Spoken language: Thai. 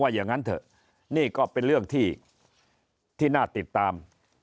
อย่างนั้นเถอะนี่ก็เป็นเรื่องที่น่าติดตาม